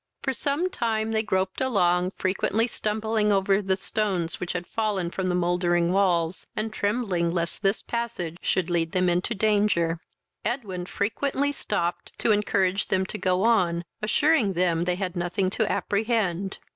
For some time they groped along, frequently stumbling over the stones which had fallen from the mouldering walls, and trembling lest this passage should lead them into danger. Edwin frequently stopped to encourage them to go on, assuring them they had nothing to apprehend.